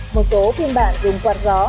một số phiên bản dùng quạt gió